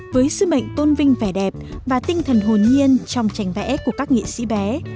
với sứ mệnh tôn vinh vẻ đẹp và tinh thần hồn nhiên trong trành vẽ của các nghệ sĩ bé